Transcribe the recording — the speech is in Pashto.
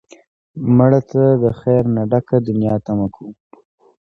مړه ته د خیر نه ډکه دنیا تمه کوو